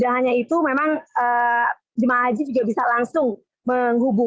hanya itu memang jemaah haji juga bisa langsung diberikan ke tempat lain